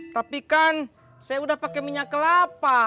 tapi kan saya udah pakai minyak kelapa